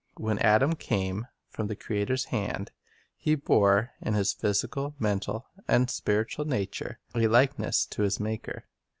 When Adam came from the Creator's hand, he bore, in his physical, mental, and spiritual nature, a likeness God's _,..., Purpose to his Maker.